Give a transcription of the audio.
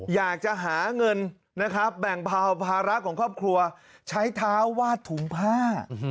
อยากจะหาเงินนะครับแบ่งเบาภาระของครอบครัวใช้เท้าวาดถุงผ้า